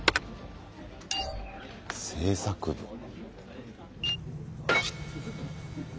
制作部。へ。